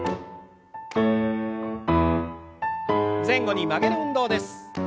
前後に曲げる運動です。